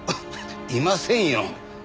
いませんよ。